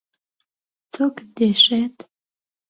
چۆکت دێشێت؟